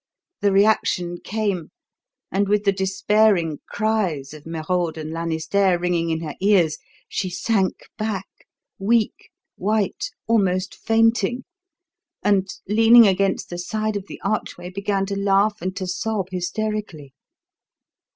The reaction came and with the despairing cries of Merode and Lanisterre ringing in her ears, she sank back, weak, white, almost fainting and, leaning against the side of the archway, began to laugh and to sob hysterically.